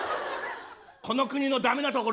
この国の駄目なところ。